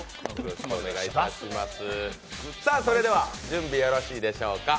それでは、準備はよろしいでしょうか。